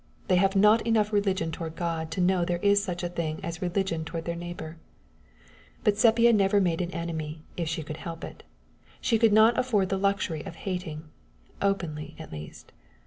They have not enough religion toward God to know there is such a thing as religion toward their neighbor. But Sepia never made an enemy if she could help it. She could not afford the luxury of hating openly, at least.